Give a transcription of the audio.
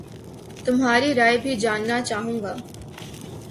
تمہاری رائے بھی جاننا چاہوں گا